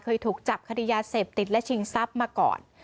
เคยถูกจับคดียาเสพติดและชิงทรัพย์มาก่อน